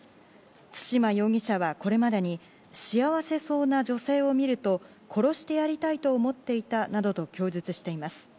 對馬容疑者はこれまでに幸せそうな女性を見ると、殺してやりたいと思っていたなどと供述しています。